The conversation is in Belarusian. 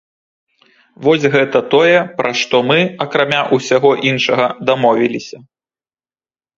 Вось гэта тое, пра што мы, акрамя ўсяго іншага, дамовіліся.